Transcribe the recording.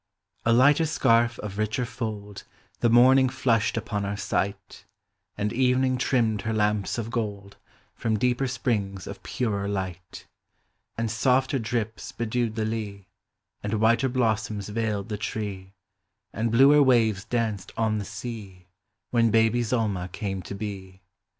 A lighter scarf of richer fold The morning Hushed upon our sight, And Evening trimmed her lamps of gold, From deeper springs of purer light ; And softer drips bedewed the lea, And whiter blossoms veiled the tree, And bluer waves danced on the sea When baby Zulma came to be!